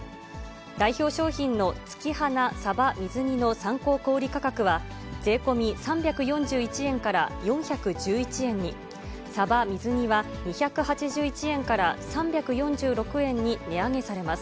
代表商品の月花さば水煮の参考小売り価格は、税込み３４１円から４１１円に、さば水煮は２８１円から３４６円に値上げされます。